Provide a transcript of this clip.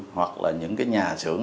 hoặc là những nhà sưởng